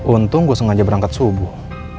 untung gue sengaja berangkat subuh